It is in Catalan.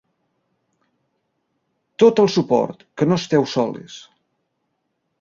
Tot el suport, que no esteu soles.